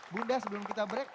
bunda sebelum kita break